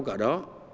xin trân trọng cảm ơn